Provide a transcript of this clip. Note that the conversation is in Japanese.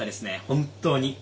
本当に。